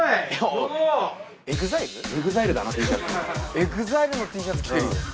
ＥＸＩＬＥのＴシャツ着てるよ。